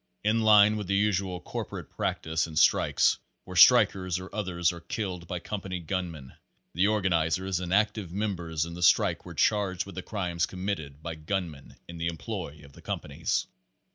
In line with the usual corporation practice in strikes where strikers or others are killed by company gun men, the organizers and active members in the strike were charged with the crimes committed by gunmen in the employ of the companies.